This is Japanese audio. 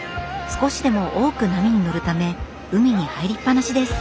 少しでも多く波に乗るため海に入りっ放しです。